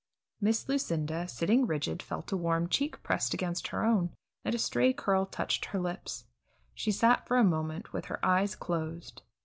Miss Lucinda, sitting rigid, felt a warm cheek pressed against her own, and a stray curl touched her lips. She sat for a moment with her eyes closed.